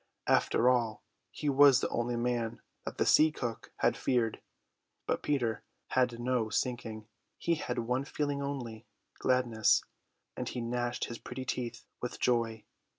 After all, he was the only man that the Sea Cook had feared. But Peter had no sinking, he had one feeling only, gladness; and he gnashed his pretty teeth with joy.